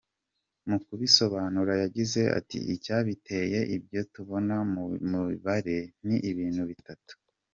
Mu kubisobanura yagize ati “ Icyabiteye, ibyo tubona mu mibare, ni ibintu bitatu.